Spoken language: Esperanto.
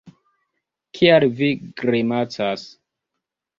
Kial vi grimacas?